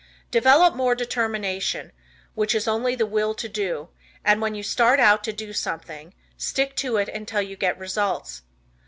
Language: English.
Develop more determination, which is only the Will To Do, and when you start out to do something stick to it until you get results.